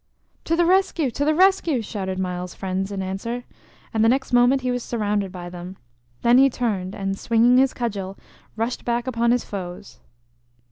"To the rescue! To the rescue!" shouted Myles's friends in answer, and the next moment he was surrounded by them. Then he turned, and swinging his cudgel, rushed back upon his foes.